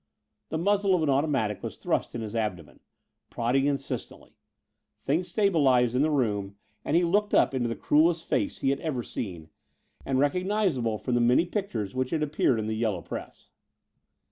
The muzzle of an automatic was thrust in his abdomen, prodding insistently. Things stabilized in the room and he looked up into the cruelest face he had ever seen, and recognizable from the many pictures which had appeared in the yellow press.